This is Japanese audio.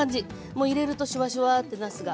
もう入れるとシュワシュワってなすが。